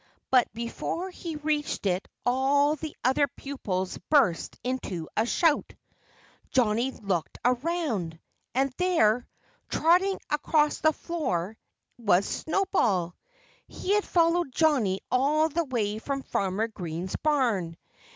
But before he reached it all the other pupils burst into a shout. Johnnie looked around. And there, trotting across the floor, was Snowball! He had followed Johnnie all the way from Farmer Green's barn.